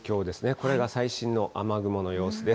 これが最新の雨雲の様子です。